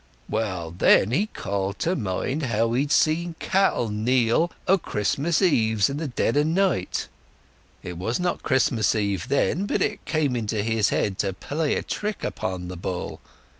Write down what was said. Well, then he called to mind how he'd seen the cattle kneel o' Christmas Eves in the dead o' night. It was not Christmas Eve then, but it came into his head to play a trick upon the bull.